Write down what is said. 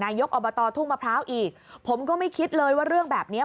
ยกอบตทุ่งมะพร้าวอีกผมก็ไม่คิดเลยว่าเรื่องแบบนี้